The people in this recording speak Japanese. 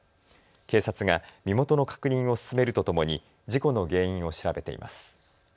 警察が身元の確認を進めるとともに事故の原因を調べています。